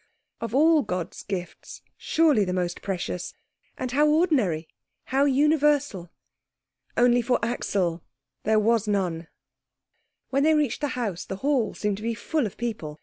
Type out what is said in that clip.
Of all God's gifts, surely the most precious. And how ordinary, how universal. Only for Axel there was none. When they reached the house, the hall seemed to be full of people.